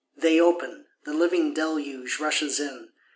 They open; the living deluge rushes in.